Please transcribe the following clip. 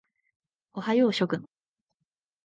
おはよう諸君。